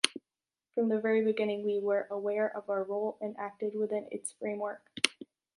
From the very beginning, we were aware of our role and acted within its framework.